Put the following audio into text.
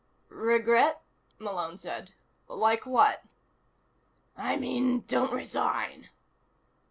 "Regret?" Malone said. "Like what?" "I mean, don't resign."